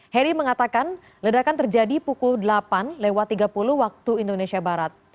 heri mengatakan ledakan terjadi pukul delapan tiga puluh waktu indonesia barat